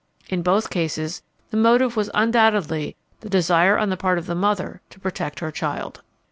In both cases the motive was undoubtedly the desire on the part of the mother to protect her child.